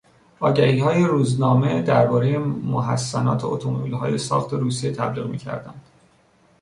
آگهیهای روزنامه دربارهی محسنات اتومبیلهای ساخت روسیه تبلیغ میکردند.